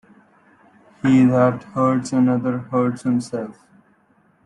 He that hurts another, hurts himself.